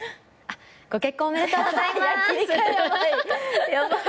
ご結婚おめでとうございます。